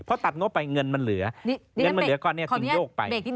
เพราะตัดงบไปเงินมันเหลือเงินมันเหลือก็ถึงโยกไป